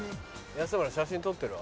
安村写真撮ってるわ。